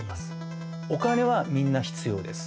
お金はみんな必要です。